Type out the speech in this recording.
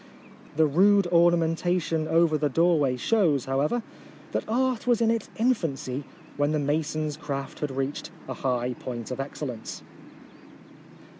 The rude orna mentation over the doorway shows, however, that art was in its infancy when the mason's craft had reached a high point of excellence.